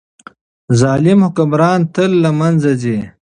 ظالم حکمرانان تل له منځه ځي.